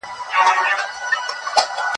دا علم د نورو علومو په څېر ګڼ مرکزي بڼه لري.